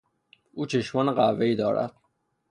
او چشمان قهوهای دارد.